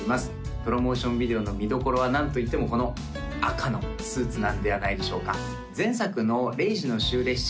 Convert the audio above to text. プロモーションビデオの見どころは何といってもこの赤のスーツなんではないでしょうか前作の「０時の終列車」